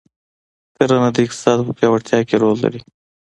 کرنه د اقتصاد په پیاوړتیا کې رول لري.